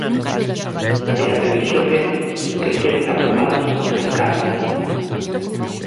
E a previsión é que queden aprobados sen cambios.